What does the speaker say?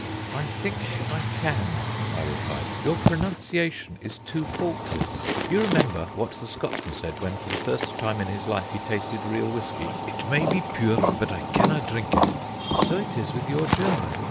"I think I can," I replied. "Your pronunciation is too faultless. You remember what the Scotsman said when for the first time in his life he tasted real whisky: 'It may be puir, but I canna drink it'; so it is with your German.